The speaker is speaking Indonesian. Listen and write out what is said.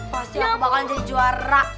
pasti aku bakalan jadi juara